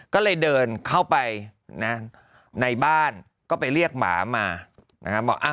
ก็เลยเดินเข้าไปนะในบ้านก็ไปเรียกหมามานะครับบอก